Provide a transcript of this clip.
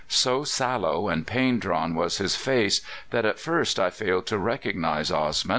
So sallow and pain drawn was his face that at first I failed to recognize Osman.